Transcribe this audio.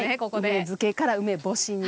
梅漬けから梅干しに。